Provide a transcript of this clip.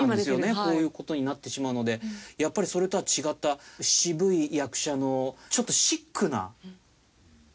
こういう事になってしまうのでやっぱりそれとは違った渋い役者のちょっとシックな鈴木浩介を。